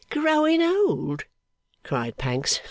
'Growing old?' cried Pancks.